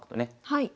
はい。